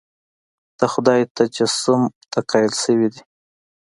د خدای تجسیم ته قایل شوي دي.